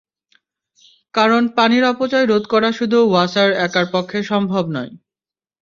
কারণ পানির অপচয় রোধ করা শুধু ওয়াসার একার পক্ষে সম্ভব নয়।